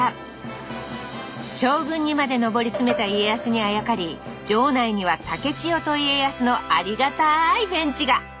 将軍にまで上り詰めた家康にあやかり場内には竹千代と家康のありがたいベンチが。